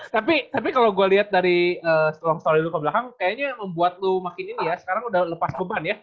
tapi kalau gue lihat dari longsornya lu ke belakang kayaknya membuat lo makin ini ya sekarang udah lepas beban ya